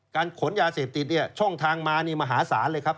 ขนยาเสพติดเนี่ยช่องทางมานี่มหาศาลเลยครับ